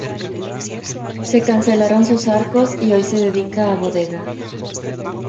Se cancelaron sus arcos y hoy se dedica a bodega.